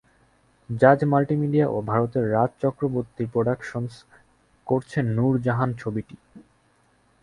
জাজ মাল্টিমিডিয়া ও ভারতের রাজ চক্রবর্তী প্রোডাকশনস করছে নূর জাহান ছবিটি।